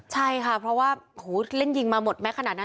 ใช่ค่ะเพราะว่าเล่นยิงมาหมดแม้ขนาดนั้น